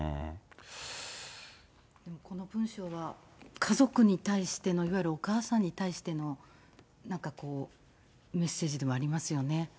この文章は、家族に対しても、いわゆるお母さんに対しての、なんかこう、メッセージでもありますよね。